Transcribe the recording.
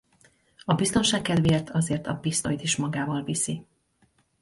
A biztonság kedvéért azért a pisztolyt is magával viszi.